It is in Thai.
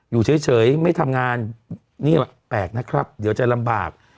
อยู่เฉยไม่ทำงานนี่แปลกนะครับเดี๋ยวจะลำบาก